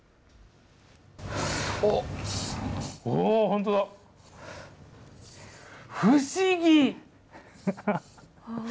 本当だ、不思議。